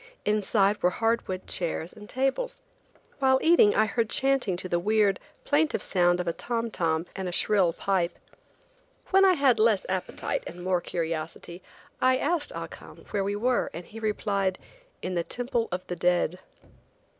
Inside were hard wood chairs and tables. While eating I heard chanting to the weird, plaintive sound of a tom tom and a shrill pipe. When I had less appetite and more curiosity, I asked Ah Cum where we were, and he replied: "in the Temple of the Dead."